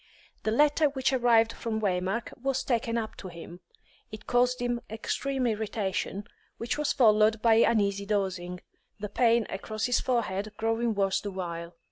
The letter which arrived from Waymark was taken up to him. It caused him extreme irritation, which was followed by uneasy dozing, the pain across his forehead growing worse the while.